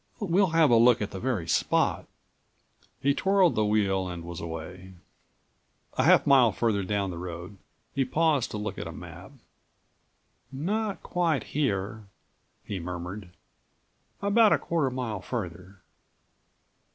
"We'll have a look at the very spot." He twirled the wheel and was away. A half mile farther down the road, he paused to look at a map. "Not quite here," he murmured. "About a quarter mile farther."